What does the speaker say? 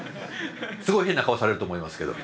すごい変な顔されると思いますけど。